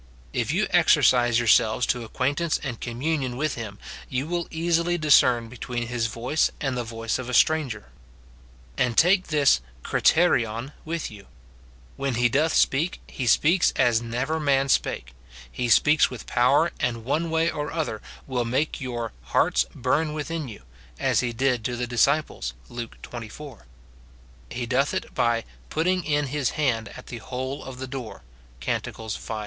If you exercise yourselves to acquaintance and communion with him, you will easily discern between his voice and the voice of a stranger. And take this )«p(Tv;piov with you : When he doth speak, he speaks as never man spake ; he speaks with power, and one way or other will make your "hearts burn within you," as he did to the disciples, Luke xxiv. He doth it by " putting in his hand at the hole of the door," Cant. v.